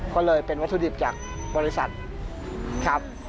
ก็เลยเป็นวัตถุดิบจากบริษัทครับ